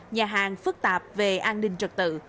nhà hàng phức tạp về an ninh trật tự